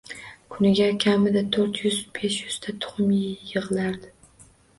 Kuniga kamida to`rt yuz-besh yuzta tuxum yig`ilardi